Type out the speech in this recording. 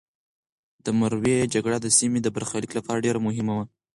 د مروې جګړه د سیمې د برخلیک لپاره ډېره مهمه وه.